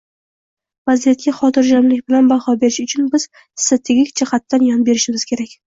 Vaziyatga xotirjamlik bilan baho berish uchun biz strategik jihatdan yon berishimiz kerak